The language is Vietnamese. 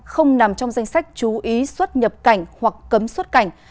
không nằm trong danh sách chú ý xuất nhập cảnh hoặc cấm xuất cảnh